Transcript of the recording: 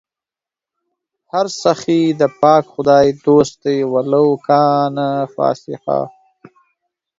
هر سخي د پاک خدای دوست دئ ولو کانَ فاسِقا